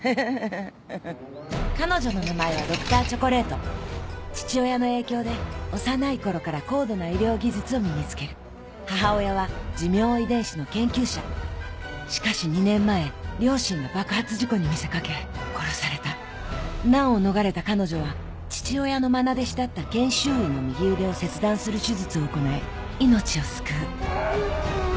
彼女の名前はＤｒ．チョコレート父親の影響で幼い頃から高度な医療技術を身に付ける母親は寿命遺伝子の研究者しかし２年前両親が爆発事故に見せかけ殺された難を逃れた彼女は父親のまな弟子だった研修医の右腕を切断する手術を行い命を救ううぅ！